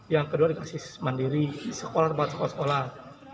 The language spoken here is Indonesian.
yang kedua dikasih mandiri di sekolah sekolah